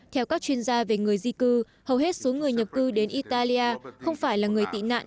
theo các chuyên gia về người di cư hầu hết số người nhập cư đến italia không phải là người tị nạn